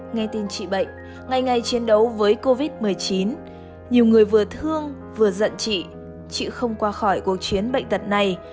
nghe tin chị bệnh ngay ngày chiến đấu với covid một mươi chín nhiều người vừa thương vừa giận chị chị không qua khỏi cuộc chiến bệnh tật này